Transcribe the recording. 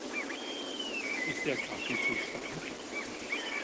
Ist der Kaffee zu stark?